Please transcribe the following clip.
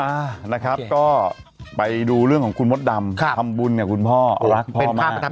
อ่านะครับก็ไปดูเรื่องของคุณมดดำทำบุญกับคุณพ่อเล็กพ่อมากโอ้ยเป็นพ่อประโทษจัย